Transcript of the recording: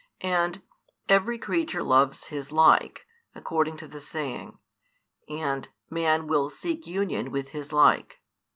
And Every creature loves his like, according to the saying, and Man will seek union with his like.